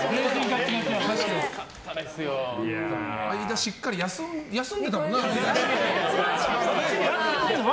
間、しっかり休んでたもんな。